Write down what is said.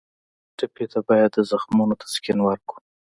ټپي ته باید د زخمونو تسکین ورکړو.